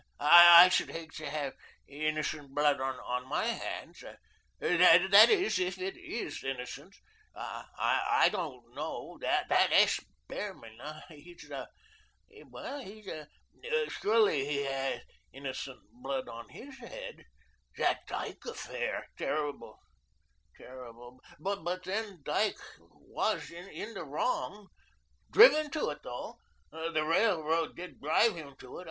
I should hate to have innocent blood on my hands that is, if it IS innocent. I don't know, that S. Behrman ah, he is a a surely he had innocent blood on HIS head. That Dyke affair, terrible, terrible; but then Dyke WAS in the wrong driven to it, though; the Railroad did drive him to it.